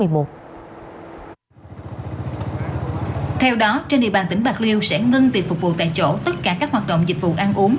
theo đó trên địa bàn tỉnh bạc liêu sẽ ngưng việc phục vụ tại chỗ tất cả các hoạt động dịch vụ ăn uống